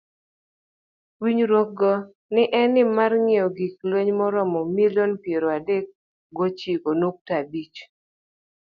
Winjruogno ne en mar ngiewo gik lweny maromo bilion piero adek gochiko nukta abich.